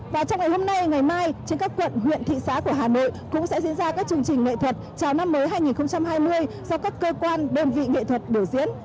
và trong ngày hôm nay ngày mai trên các quận huyện thị xã của hà nội cũng sẽ diễn ra các chương trình nghệ thuật chào năm mới hai nghìn hai mươi do các cơ quan đơn vị nghệ thuật biểu diễn